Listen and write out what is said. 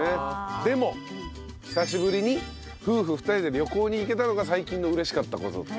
でも久しぶりに夫婦２人で旅行に行けたのが最近の嬉しかった事という。